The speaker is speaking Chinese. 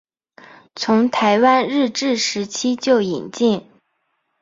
从台湾日治时期就引进。